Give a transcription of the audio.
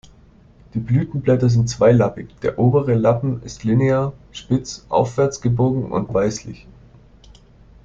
Die Blütenblätter sind zweilappig, der obere Lappen ist linear, spitz, aufwärts gebogen und weißlich.